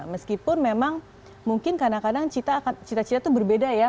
meskipun memang mungkin kadang kadang cita cita itu berbeda ya